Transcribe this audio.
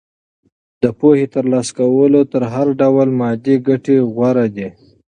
د پوهې ترلاسه کول تر هر ډول مادي ګټې غوره دي.